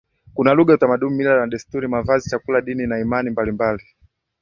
Kuna lugha utamaduni mila na desturi mavazi chakula dini na imani mbalimbali